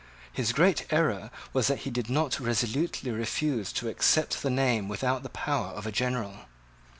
His great error was that he did not resolutely refuse to accept the name without the power of a general.